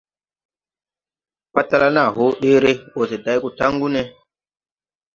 Patala naa hoo ɗeere, wose day go taŋgu ne.